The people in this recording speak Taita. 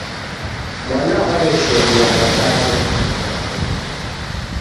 Mwana waw'eshomia Mwatate.